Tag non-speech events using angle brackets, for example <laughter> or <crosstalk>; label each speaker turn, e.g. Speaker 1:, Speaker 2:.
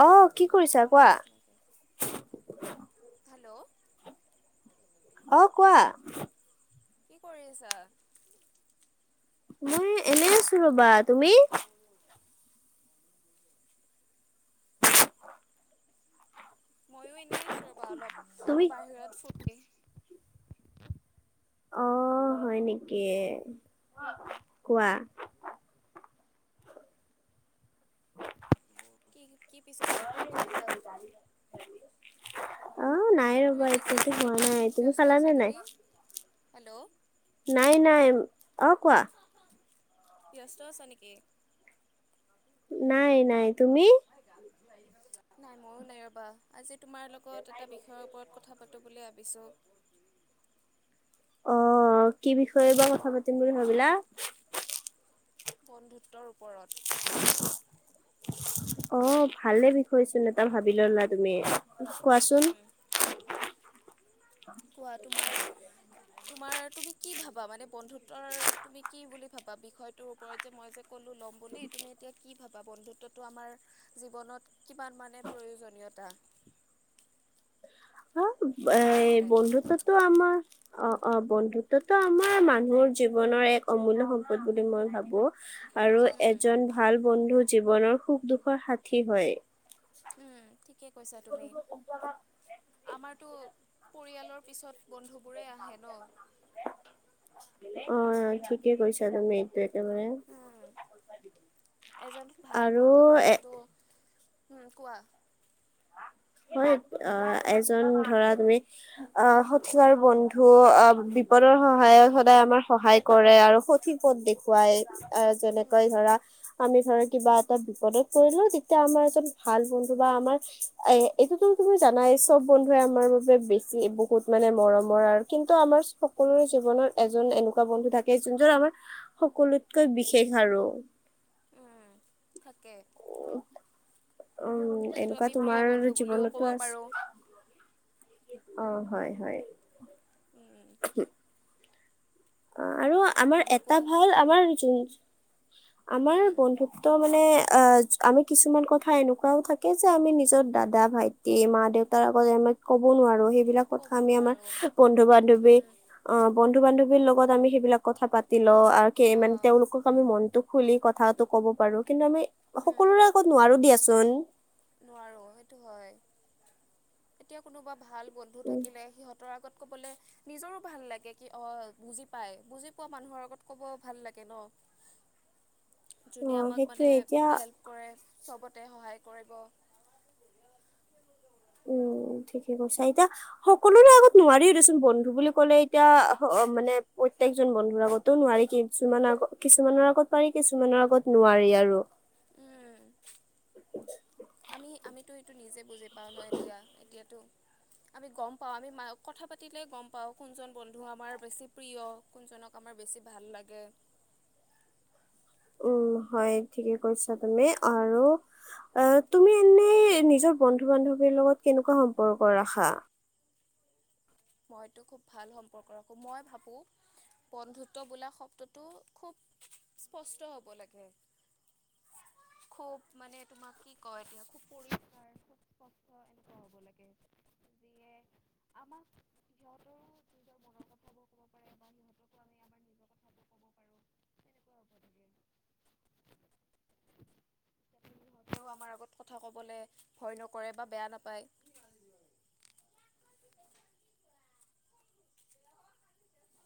Speaker 1: অ' কি কৰিছা কোৱা?
Speaker 2: হেল্লো
Speaker 1: অ কোৱা
Speaker 2: কি কৰি আছা?
Speaker 1: <unintelligible> এনে আছো ৰবা তুমি
Speaker 2: ময়ো এনেই আছো ৰবা অলপ
Speaker 1: তুমি
Speaker 2: বাহিৰত ফুট
Speaker 1: অ হয় নেকি কোৱা
Speaker 2: কি কি পিছত ভাত পানী খালা
Speaker 1: অ' নাই
Speaker 2: তুমি
Speaker 1: ৰ'বা
Speaker 2: বিজি
Speaker 1: এতিয়াতো
Speaker 2: আছা
Speaker 1: হোৱা
Speaker 2: নেকি
Speaker 1: নাই, তুমি
Speaker 2: ব্যস্ত আছা
Speaker 1: খালানে নাই?
Speaker 2: তুমি হেল্ল'।
Speaker 1: নাই নাই অ' কোৱা।
Speaker 2: ব্যস আছ নেকি
Speaker 1: নাই নাই তুমি
Speaker 2: নাই ময়ো নাই ৰবা আজি। তোমাৰ লগত এটা বিষয়ৰ ওপৰত কথা পাতোব বুলি আ বিশছ
Speaker 1: অ কি বিষয়ে বা কথা পাতিম বুলি ভাবিলা
Speaker 2: বন্ধুত্বৰ ওপৰত
Speaker 1: অ ভালে বিষয়চোন এটা ভাবি ললা তুমি কোৱাচোন।
Speaker 2: উম কোৱা তোমাৰ তোমাৰ তুমি কি ভাবা মানে বন্ধুত্বৰ তুমি কি বুলি ভাবা বিষয়টোৰ ওপৰত যে মই যে কলো লম বুলি তুমি এতিয়া কি ভাবা বন্ধুত্বটো আমাৰ জীৱনত কিমান মানে প্ৰয়োজনীয়তা তোমাৰ
Speaker 1: এ
Speaker 2: মতে
Speaker 1: বন্ধুতটোো আমাৰ অ অ বন্ধুত্বতো আমাৰ মানুহৰ জীৱনৰ এক অমূল্য় সম্পদ বুলি মই ভাবো আৰু
Speaker 2: উম
Speaker 1: এজন ভাল বন্ধু জীৱনৰ সুখ দুখৰ স্ষী হয়।
Speaker 2: কি কৈছা তুমি আমাৰতো পৰিয়ালৰ পিছত বন্ধুবোৰেই আহে ন
Speaker 1: অ ঠিকে কৈছা তুমি একেবাৰে।
Speaker 2: উম এজন ভাল
Speaker 1: আৰু
Speaker 2: বন্ধু
Speaker 1: এ
Speaker 2: হোৱাটোতো উম কোৱা
Speaker 1: হয় অ এজন ধৰা তুমি অ সঠিক আৰু বন্ধু অ বিপদৰ সহায়ত সদায় আমাৰ সহায় কৰে আৰু সঠিক পথ দেখুৱাই এ যেনেকৈ
Speaker 2: উম
Speaker 1: ধৰা আমি ধৰা কিবা এটা বিপদত পৰিলো তেতিয়া আমাৰ এজন ভাল বন্ধু বা আমাৰ এ এইটোতো তুমি জানাই চব বন্ধুৱে আমাৰ বাবে বেছি বহুত মানে মৰমৰ আৰু। কিন্তু আমাৰ সকলোৰে জীৱনত এজন এনেকুৱা বন্ধু থাকে যোন জোৰ আমাৰ সকলোতকৈ বিশেষ আৰু।
Speaker 2: উম থাকে
Speaker 1: উম
Speaker 2: সেইটো
Speaker 1: এনেকুৱা
Speaker 2: আমি প্ৰিয়
Speaker 1: তোমাৰ
Speaker 2: বন্ধু বুলিও ক'ব
Speaker 1: জীৱনতো
Speaker 2: পাৰোঁ
Speaker 1: আছে। অ হয় হয়। উম। অ আৰু আমাৰ
Speaker 2: তুমি
Speaker 1: এটা
Speaker 2: কোৱা
Speaker 1: ভাল আমাৰ আমাৰ
Speaker 2: উম
Speaker 1: বন্ধুত্ব মানে অ আমি কিছুমান কথা এনেকুৱাও থাকে যে আমি নিজৰ দাদা ভাইটি মা দেউতাৰ আগতে আমি ক কব নোৱাৰোঁ, সেইবিলাক কথা
Speaker 2: ক'ব
Speaker 1: আমি আমাৰ
Speaker 2: নোৱাৰোঁ
Speaker 1: বন্ধু বান্ধৱী
Speaker 2: উম
Speaker 1: অ বন্ধু বান্ধৱী লগত আমি সেইবিলাক কথা পাতিম। <unintelligible> আৰু মানে
Speaker 2: অ',
Speaker 1: তেওঁলোকক আমি মনটোক খুলি কথাাতটো ক'ব পাৰো কিন্তু আমি সকলোৰে আগত নোৱাৰো দি আছো গণ
Speaker 2: নোৱাৰো সেইটো হয়। এতিয়া কোনোবা ভাল বন্ধু
Speaker 1: উম
Speaker 2: থাকিলে সিহঁতৰ আগত কবলে নিজৰো ভাল লাগে কি অ, বুজি পাই বুজি পোৱা মানুহৰ আগত কব ভাল লাগে ন।
Speaker 1: অ
Speaker 2: যোনে আমাক মানে
Speaker 1: সেইটোয়ে এতিয়া
Speaker 2: হেল্প কৰে চবত। তাতে সহায় কৰিব।
Speaker 1: উম ঠিকে কৈছা, এতিয়া সকলোৰে আগত নোৱাৰিও দেচোন বন্ধু বুলি কলে এতিয়া মানে প্ৰত্যেকজন বন্ধুৰ আগতো নোৱাৰি। কিছুমান আগত কিছুমানৰ আগত পাৰি কিছুমানৰ আগত নোৱাৰি আৰু।
Speaker 2: উম আমি আমিতো নিজে বুজি পাওঁ ন, এতিয়া এতিয়াতো আমি গম পাওঁ, আমি কথা পাতিলে গম পাওঁ, কোনজন বন্ধু আমাৰ বেছি প্ৰিয় কোনজনক আমাৰ বেছি ভাল লাগে।
Speaker 1: উম হয় ঠিকে কৈছা তুমি আৰু। এ তুমি এনে নিজৰ বন্ধু বান্ধৱীৰ লগত কেনেকুৱা সম্পৰ্ক ৰাখা?
Speaker 2: মইতো খুব ভাল সম্পৰ্ক ৰাখো। মই ভাবো বন্ধুত্ব বোলা শব্দটো খুব স্পষ্ট হব লাগে, খুব মানে তোমাক কি ক <inaudible> <inaudible> কথা কবলে ভয় নকৰে বা বেয়া নাপাই <inaudible>